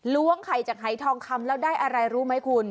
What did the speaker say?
ล้วงไข่จากหายทองคำแล้วได้อะไรรู้ไหมคุณ